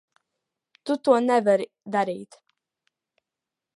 Tu to nevari darīt.